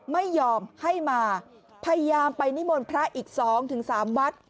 ไม่ยอมให้มาพยายามไปนิมนต์พระอีกสองถึงสามวัด